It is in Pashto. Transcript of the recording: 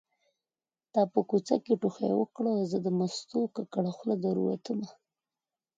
تا په کوڅه کې ټوخی وکړ زه د مستو ککړه خوله در ووتمه